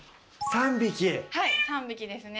３匹ですね。